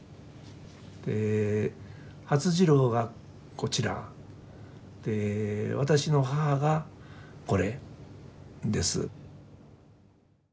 發次郎がこちらで私の母がこれです。